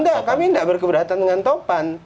nggak kami nggak berkeberatan dengan topan